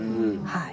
はい。